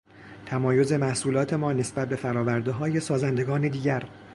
تمایز محصولات ما نسبت به فرآوردههای سازندگان دیگر